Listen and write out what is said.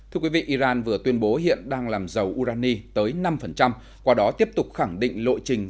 thưa quý vị iran vừa tuyên bố hiện đang làm dầu urani tới năm qua đó tiếp tục khẳng định lộ trình